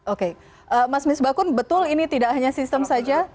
oke mas misbakun betul ini tidak hanya sistem saja